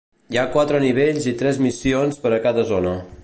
Hi ha quatre nivells i tres missions per a cada zona.